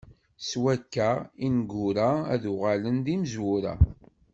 S wakka, ineggura ad uɣalen d imezwura.